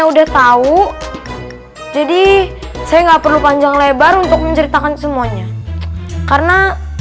udah tahu jadi saya nggak perlu panjang lebar untuk menceritakan semuanya karena